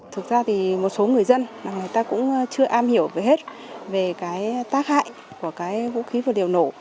thực ra thì một số người dân người ta cũng chưa am hiểu về hết về cái tác hại của cái vũ khí và liệu nổ